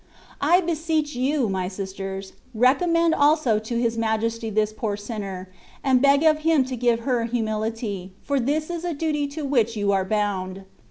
1 beseech you, my sisters, recommend also to His Majesty this poor sinner, and beg of Him to give her humility, for this is a duty to which vou are bound.